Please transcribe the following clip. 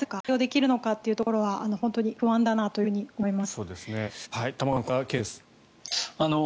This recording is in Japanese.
そこに対して対応できるのかというところは本当に不安だなと思います。